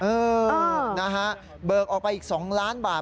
เออนะฮะเบิกออกไปอีก๒ล้านบาท